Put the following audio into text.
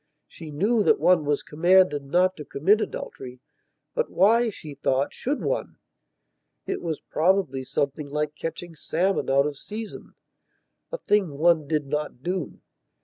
She knew that one was commanded not to commit adulterybut why, she thought, should one? It was probably something like catching salmon out of seasona thing one did not do.